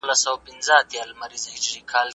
زه له سهاره قلم استعمالوموم.